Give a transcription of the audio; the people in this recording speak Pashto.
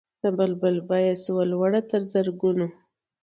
د بلبل بیه سوه لوړه تر زرګونو